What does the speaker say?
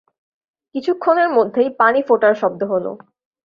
কিছুক্ষণের মধ্যেই পানি ফোটার শব্দ হলো।